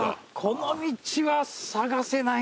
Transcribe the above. この道は探せないな。